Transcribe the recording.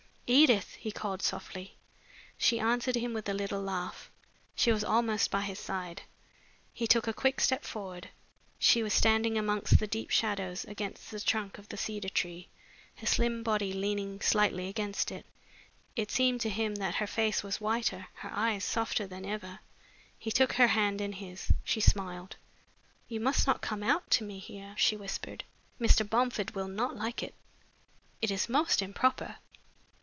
"Edith!" he called softly. She answered him with a little laugh. She was almost by his side. He took a quick step forward. She was standing among the deepest shadows, against the trunk of the cedar tree, her slim body leaning slightly against it. It seemed to him that her face was whiter, her eyes softer than ever. He took her hand in his. She smiled. "You must not come out to me here," she whispered. "Mr. Bomford will not like it. It is most improper."